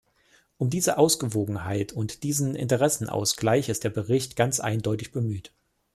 Um diese Ausgewogenheit und diesen Interessenausgleich ist der Bericht ganz eindeutig bemüht.